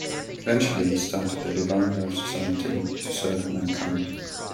Eventually, he started the Divine Life Society to serve mankind.